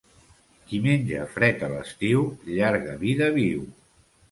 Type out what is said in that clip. Qui menja fred a l'estiu, llarga vida viu.